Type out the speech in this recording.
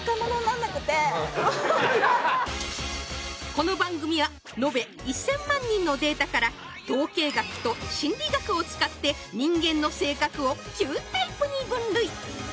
この番組は延べ１０００万人のデータから統計学と心理学を使って人間の性格を９タイプに分類